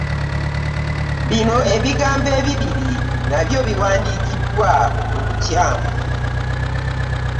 Bino ebigambo ebibiri nabyo biwandiikiddwa mu bukyamu.